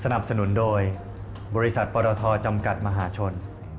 สนับสนุนโดยบริษัทปรทจำกัดมหาชน